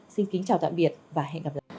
xin kính chào tạm biệt và hẹn gặp lại